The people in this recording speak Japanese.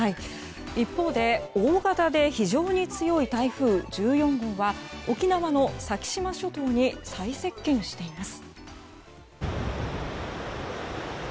一方で大型で非常に強い台風１４号は沖縄の先島諸島に最接近しています。